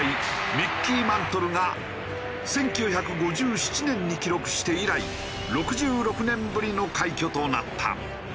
ミッキー・マントルが１９５７年に記録して以来６６年ぶりの快挙となった。